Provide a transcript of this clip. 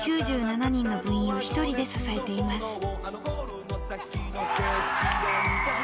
９７人の部員を１人で支えています。